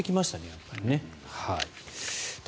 やっぱりね。